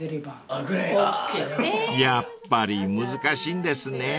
［やっぱり難しいんですね］